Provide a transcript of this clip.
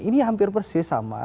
ini hampir persis sama